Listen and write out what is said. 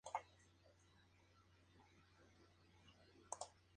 Su debut profesional se produjo cantando en un grupo gospel.